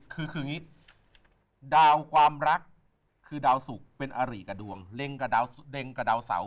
คือดาวความรักคือดาวสุขเป็นอาริกระดวงเด็งกระดาวเสา